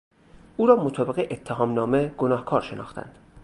او را مطابق اتهامنامه گناهکار شناختند.